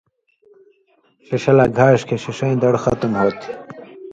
ݜِݜہ لا گھاݜ کھیں ݜِݜَیں دڑ ختم ہوتھی۔